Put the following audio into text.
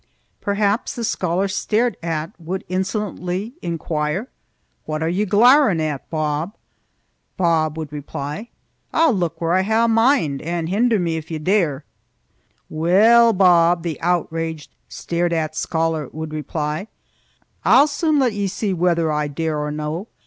Perhaps the scholar stared at would insolently inquire, "What are ye glowerin' at, Bob?" Bob would reply, "I'll look where I hae a mind and hinder me if ye daur." "Weel, Bob," the outraged stared at scholar would reply, "I'll soon let ye see whether I daur or no!"